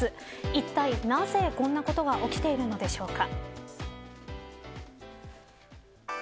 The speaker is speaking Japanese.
いったい、なぜこんなことが起きているのでしょうか。